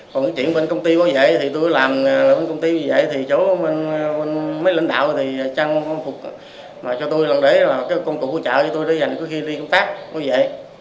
còn cái chuyện bên công ty bảo vệ thì tôi làm bên công ty bảo vệ thì chỗ mấy lãnh đạo thì trang phục cho tôi làm đấy là công cụ hỗ trợ cho tôi để dành có khi đi công tác bảo vệ